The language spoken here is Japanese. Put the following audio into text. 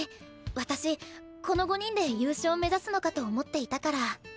私この５人で優勝目指すのかと思っていたから。